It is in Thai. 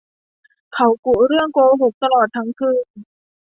เขากุเรื่องโกหกตลอดทั้งคืน